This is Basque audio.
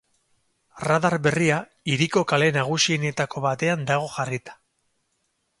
Radar berria hiriko kale nagusienetako batean dago jarrita.